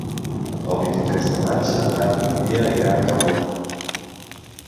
El vint-i-tres de maig en Dan i na Lia iran a Calvià.